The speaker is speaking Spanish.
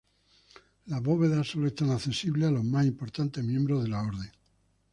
Las bóvedas solo están accesibles a los más importantes miembros de la orden.